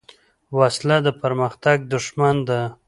وسله د پرمختګ دښمن ده